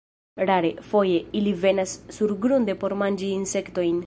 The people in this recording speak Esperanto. Rare, foje, ili venas surgrunde por manĝi insektojn.